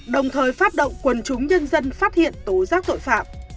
đồng thời phát động quần chúng nhân dân phát hiện tố giác tội phạm